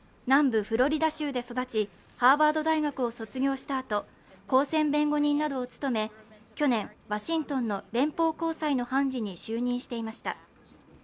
南部フロリダ州で育ちハーバード大学を卒業したあと公選弁護人などを務め、去年、ワシントンの連邦高裁の判事に就任していました。